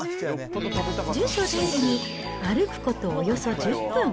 住所を頼りに歩くことおよそ１０分。